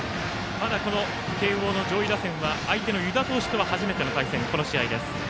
まだ慶応の上位打線は相手の湯田投手とは初めての対戦、この試合です。